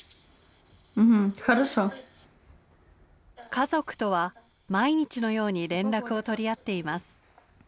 家族とは毎日のように連絡を取り合っています。